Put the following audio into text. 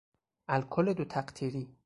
الکل دو تقطیری